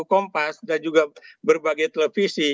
kompas dan juga berbagai televisi